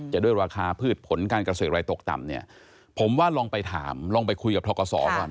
ด้วยราคาพืชผลการเกษตรอะไรตกต่ำเนี่ยผมว่าลองไปถามลองไปคุยกับทกศก่อน